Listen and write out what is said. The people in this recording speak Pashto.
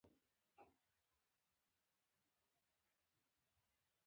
پر تندې یې لمر ختلي